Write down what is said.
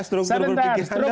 struktur berpikir kamu ngawur